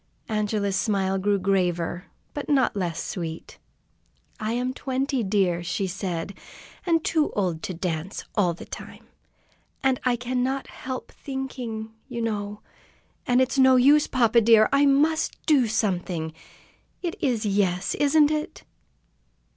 Angela's smile grew graver, but not less sweet. "I am twenty, dear," she said. "Too old to dance all the time, and I cannot help thinking, you know. And it's no use, papa dear! I must do something! It is 'yes,' isn't it?"